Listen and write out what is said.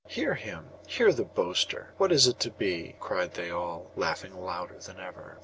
'Hear him! Hear the boaster! What is it to be?' cried they all, laughing louder than ever.